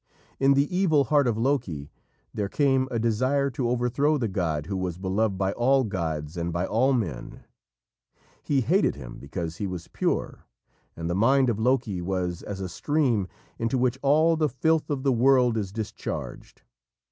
In the evil heart of Loki there came a desire to overthrow the god who was beloved by all gods and by all men. He hated him because he was pure, and the mind of Loki was as a stream into which all the filth of the world is discharged.